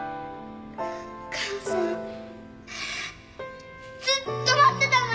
母さんずっと待ってたのに！